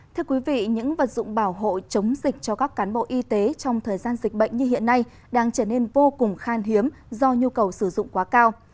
thưa quý vị những vật dụng bảo hộ chống dịch cho các cán bộ y tế trong thời gian dịch bệnh như hiện nay đang trở nên vô cùng khan hiếm do nhu cầu sử dụng quá cao